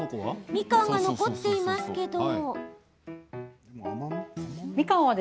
みかんが残っていますけど。